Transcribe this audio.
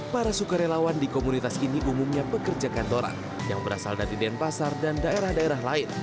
para sukarelawan di komunitas ini umumnya pekerja kantoran yang berasal dari denpasar dan daerah daerah lain